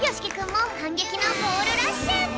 もはんげきのゴールラッシュ！